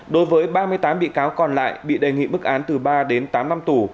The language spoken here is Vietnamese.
đối với ba mươi tám bị cáo còn lại bị đề nghị bức án từ ba tám năm tù